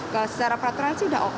kalau secara peraturan sih sudah oke